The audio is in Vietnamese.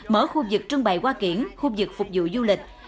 mở khu vực trưng bày hoa kiển khu vực phục vụ du lịch